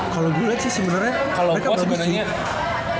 kalau gue lihat sih sebenarnya mereka bagus sih